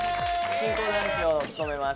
進行男子を務めます